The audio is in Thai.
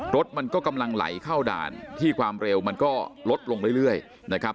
รถมันก็กำลังไหลเข้าด่านที่ความเร็วมันก็ลดลงเรื่อยนะครับ